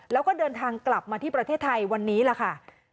แล้วก็เดินทางกลับมาที่ประเทศไทยวันนี้ล่ะค่ะ